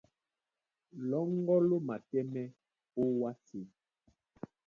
Lɔ́ŋgɔ́ ló matɛ́mɛ́ ówásē.